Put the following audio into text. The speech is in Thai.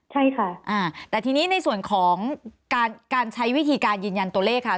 ใช่ค่ะแต่ทีนี้ในส่วนของการใช้วิธีการยืนยันตัวเลขค่ะ